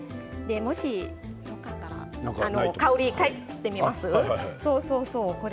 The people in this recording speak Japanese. もしよかったら香り嗅いでみます？